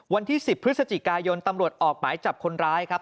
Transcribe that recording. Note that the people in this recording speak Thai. วันที่๑๐พฤศจิกายนตำรวจออกหมายจับคนร้ายครับ